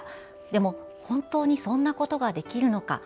でも、本当にそんなことができるのか？